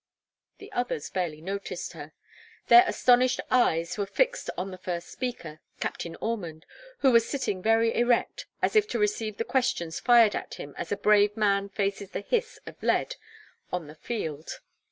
The others barely noticed her. Their astonished eyes were fixed on the first speaker, Captain Ormond, who was sitting very erect, as if to receive the questions fired at him as a brave man faces the hiss of lead on the field.